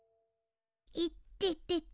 いっててて。